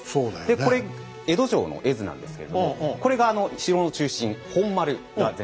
でこれ江戸城の絵図なんですけれどもこれがあの城の中心「本丸」が全体です。